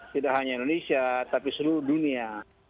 tidak hanya indonesia tapi seluruh dunia